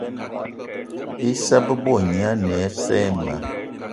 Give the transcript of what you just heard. Issa bebo gne ane assa ayi ma.